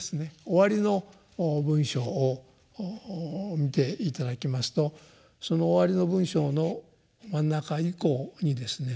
終わりの文章を見ていただきますとその終わりの文章の真ん中以降にですね